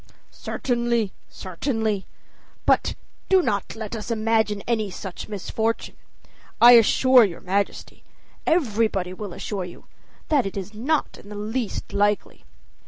"Certainly, certainly; but do not let us imagine any such misfortune. I assure your Majesty everybody will assure you that it is not in the least likely."